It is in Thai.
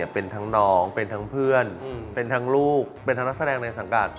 เป็นทั้งเพื่อนเป็นทั้งลูกเป็นทั้งนักแสดงในสังการ